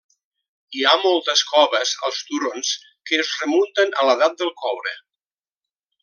Hi ha moltes coves als turons que es remunten a l'edat del coure.